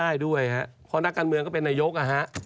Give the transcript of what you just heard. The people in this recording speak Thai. ได้ด้วยฮะเพราะนักการเมืองก็เป็นนายกนะฮะ